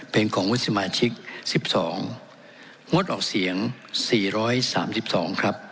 เป็นของวุฒิสมาชิก๑๒งดออกเสียง๔๓๒ครับ